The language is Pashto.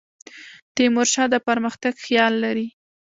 تیمور شاه د پرمختګ خیال لري.